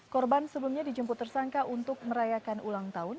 korban sebelumnya dijemput tersangka untuk merayakan ulang tahun